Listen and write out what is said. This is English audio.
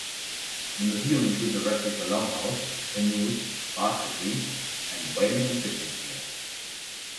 The museum includes a replica longhouse, canoes, basketry and whaling and fishing gear.